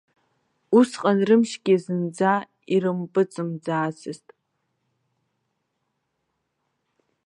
Усҟан рымчгьы зынӡа ирымпыӡымӡаацызт.